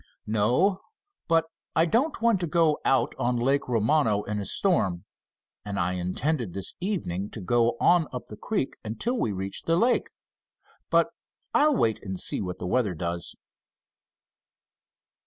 "No, but I don't want to go out on Lake Romano in a storm, and I intended this evening to go on up the creek until we reached the lake. But I'll wait and see what the weather does."